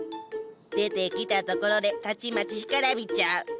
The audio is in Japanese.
出てきたところでたちまち干からびちゃう。